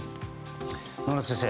野村先生。